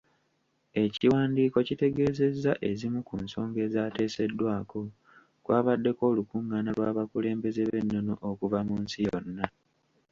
Ekiwandiiko kitegeezezza ezimu ku nsonga ezaateeseddwako kwabaddeko olukungaana lw'abakulembeze b'ennono okuva mu nsi yonna.